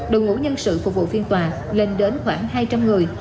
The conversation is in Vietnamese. đồng hữu nhân sự phục vụ phiên tòa lên đến khoảng hai trăm linh người